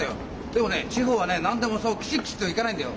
でもね地方はね何でもそうきちっきちっとはいかないんだよ。